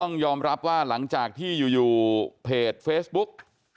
ต้องยอมรับว่าหลังจากที่อยู่เพจเฟซบุ๊ก